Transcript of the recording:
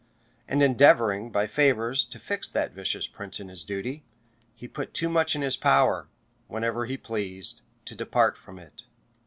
And endeavoring, by favors, to fix that vicious prince in his duty, he put it too much in his power, whenever he pleased, to depart from it.